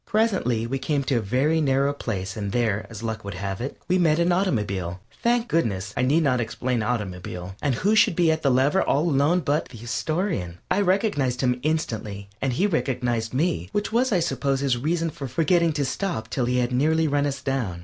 Presently we came to a very narrow place and there, as luck would have it, we met an automobile. Thank goodness, I need not explain automobile. And who should be at the lever all alone but the Astorian. I recognized him instantly, and he recognized me, which was, I suppose, his reason for forgetting to stop till he had nearly run us down.